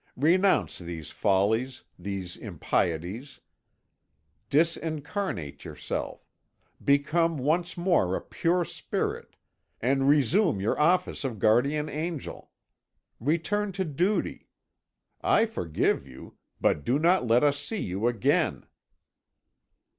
Renounce these follies, these impieties, dis incarnate yourself, become once more a pure Spirit, and resume your office of guardian angel. Return to duty. I forgive you, but do not let us see you again."